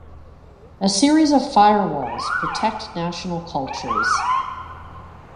A series of fire-walls protect national cultures.